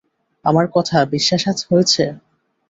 আমার কথা বিশ্বাস হয়েছে?